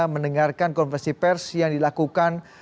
mendengarkan konversi pers yang dilakukan